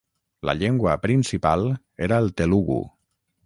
La llengua principal era el telugu.